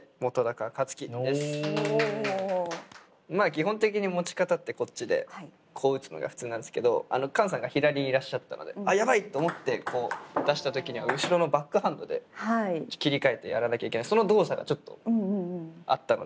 基本的に持ち方ってこっちでこう打つのが普通なんですけどカンさんが左にいらっしゃったので「あっやばい！」って思って出した時には後ろのバックハンドで切り替えてやらなきゃいけないその動作がちょっとあったのでそこを切り取ったという感じです。